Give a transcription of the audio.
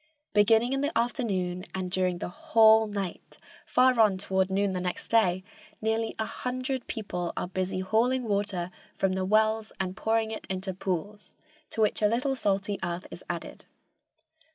Beginning in the afternoon and during the whole night, far on toward noon next day, nearly a hundred people are busy hauling water from the wells and pouring it into pools, to which a little salty earth is added.